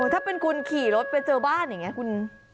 ถ้าเป็นคุณขี่รถไปเจอบ้านอย่างนี้คุณ